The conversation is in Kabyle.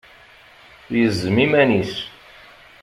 Yezzem iman-is.